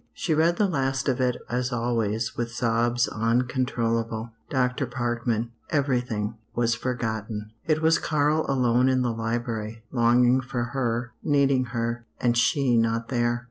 She read the last of it, as always, with sobs uncontrollable. Dr. Parkman everything was forgotten. It was Karl alone in the library, longing for her, needing her and she not there.